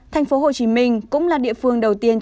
tp hcm cũng là địa phương đầu tiên tiêm mũi một năm